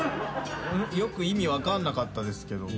よく意味分かんなかったですけど。